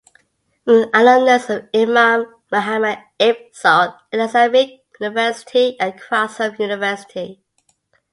An alumnus of Imam Muhammad ibn Saud Islamic University and Qassim University.